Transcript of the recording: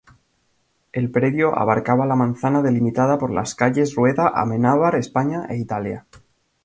El predio abarcaba la manzana delimitada por las calles Rueda, Amenábar, España e Italia.